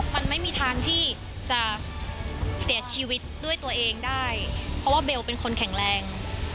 มันไม่มีทางที่จะเสียชีวิตด้วยตัวเองได้เพราะว่าเบลเป็นคนแข็งแรง